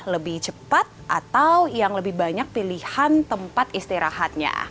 lebih cepat atau yang lebih banyak pilihan tempat istirahatnya